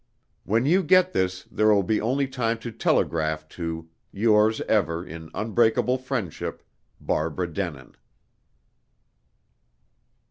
"When you get this, there will be only time to telegraph to Yours ever in unbreakable friendship, Barbara Denin."